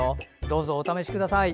どうぞお試しください。